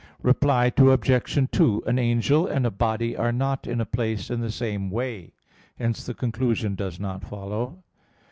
Reply Obj. 2: An angel and a body are not in a place in the same way; hence the conclusion does not follow.